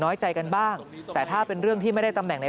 น้อยใจกันบ้างแต่ถ้าเป็นเรื่องที่ไม่ได้ตำแหน่งใน